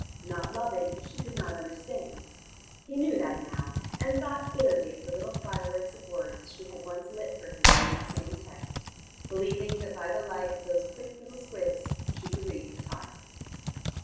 Not loving, she could not understand. He knew that now, and thought bitterly of the little fireworks of words she had once lit for him on that same text, believing that by the light of those quick little squibs, she could read his heart.